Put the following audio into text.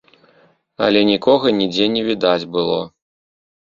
Але нікога нідзе не відаць было.